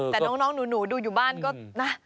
แต่น้องหนูดูอยู่บ้านก็นะ